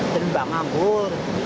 dengan embang anggur